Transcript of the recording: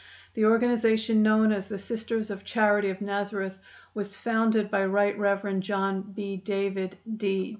The organization known as the "Sisters of Charity of Nazareth" was founded by Right Rev. John B. David, D.